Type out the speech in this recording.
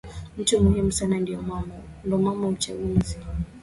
mtu muhimu sana ndio mama uchaguzi